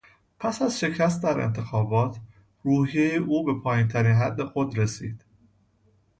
پس از شکست در انتخابات، روحیهی او به پایینترین حد خود رسید.